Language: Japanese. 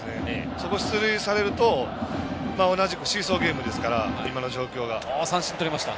そこ出塁されると同じくシーソーゲームですから今の状況が。